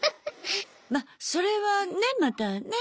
まそれはねまたね。